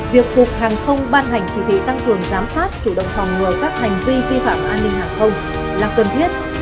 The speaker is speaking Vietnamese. việc cục hàng không ban hành chỉ thị tăng cường giám sát chủ động phòng ngừa các hành vi vi phạm an ninh hàng không là cần thiết